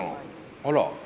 あら。